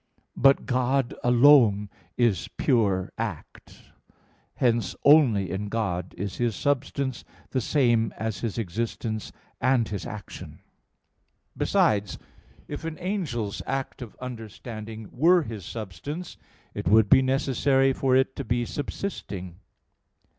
But God alone is pure act. Hence only in God is His substance the same as His existence and His action. Besides, if an angel's act of understanding were his substance, it would be necessary for it to be subsisting.